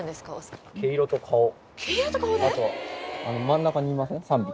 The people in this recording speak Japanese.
真ん中にいません？